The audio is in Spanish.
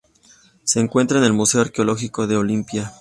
Se encuentra en el Museo Arqueológico de Olimpia.